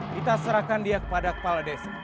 kita serahkan dia kepada kepala desa